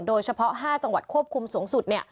โดยเฉพาะ๕จังหวัดควบคุมสูงสุด